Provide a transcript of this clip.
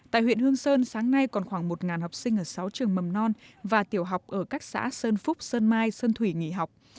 tại huyện hương sơn sáng nay còn khoảng một học sinh ở sáu trường mầm non và tiểu học ở các xã sơn phúc sơn mai sơn thủy nghỉ học